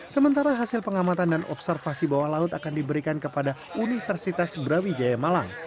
sementara hasil pengamatan dan observasi bawah laut akan diberikan kepada universitas brawijaya malang